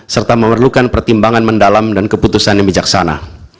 serta memerlukan pertimbangan mendalam dan keputusan yang bijaksana